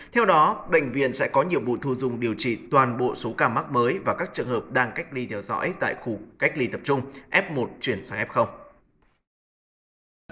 theo đó bệnh viện sẽ có nhiệm vụ thu dung điều trị toàn bộ số ca mắc mới và các trường hợp đang cách ly theo dõi tại khu cách ly tập trung f một chuyển sang f